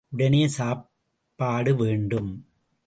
உடனே சாப்பாடு வேண்டும்.